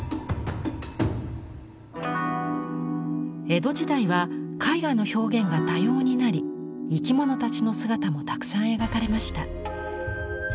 江戸時代は絵画の表現が多様になり生き物たちの姿もたくさん描かれました。